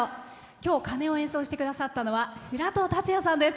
今日鐘を演奏してくださったのは白戸達也さんです。